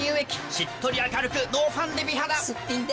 しっとり明るくノーファンデ美肌すっぴんで。